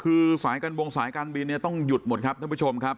คือสายการบรงสายการบินต้องหยุดหมดทุกผู้ชมครับ